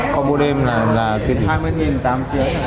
combo đêm là hai mươi đồng tám tiếng chẳng hạn